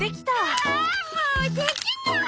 ああもうできない！